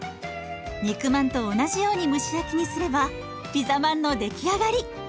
肉まんと同じように蒸し焼きにすればピザまんの出来上がり。